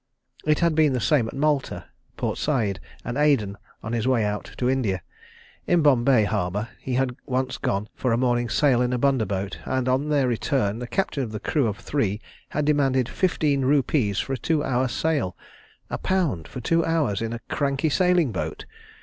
It had been the same at Malta, Port Said and Aden on his way out to India. In Bombay harbour he had once gone for a morning sail in a bunderboat, and on their return, the captain of the crew of three had demanded fifteen rupees for a two hour sail. A pound for two hours in a cranky sailing boat!